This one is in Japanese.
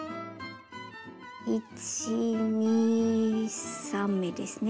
１２３目ですね。